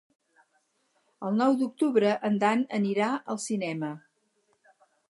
El nou d'octubre en Dan anirà al cinema.